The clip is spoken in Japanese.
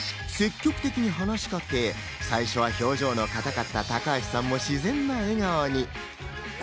積極的に話し掛け、最初は表情のかたかった高橋さんも自然な笑顔に。